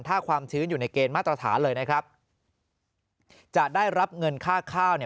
ถ้าความชื้นอยู่ในเกณฑ์มาตรฐานเลยนะครับจะได้รับเงินค่าข้าวเนี่ย